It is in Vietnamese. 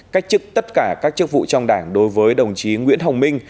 cách chức tất cả các chức vụ trong đảng đối với đồng chí nguyễn hồng minh